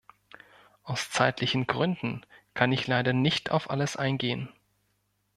Aus zeitlichen Gründen kann ich leider nicht auf alles eingehen.